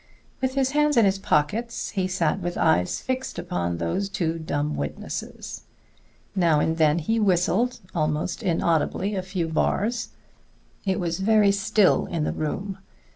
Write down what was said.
With his hands in his pockets he sat with eyes fixed upon those two dumb witnesses. Now and then he whistled, almost inaudibly, a few bars. It was very still in the room.